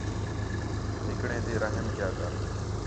نکڑیں تی رحم کیا کر